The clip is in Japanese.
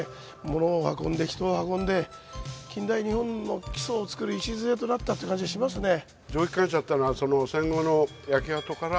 物を運んで人を運んで近代日本の基礎を作る礎となったって感じがしますね。